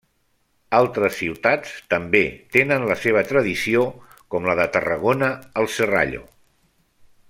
Altres ciutats, també tenen la seva tradició com la de Tarragona al Serrallo.